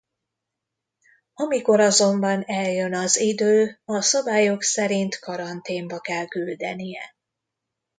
Amikor azonban eljön az idő a szabályok szerint karanténba kell küldenie.